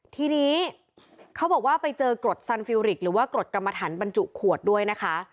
ทีนี้เขาบอกว่าไปเจอกรดสันฟิลริกหรือว่ากรดกรรมฐานบรรจุขวดด้วยนะคะ